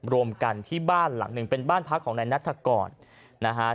รวมกันที่บ้านหลังหนึ่งเป็นบ้านพักของนายนัฐกรนะฮะ